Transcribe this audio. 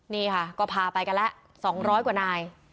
นี่ค่ะก็พาไปกันและ๒๐๐ตัวนาย